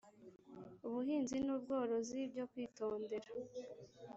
buhinzi n ubworozi byo kwitondera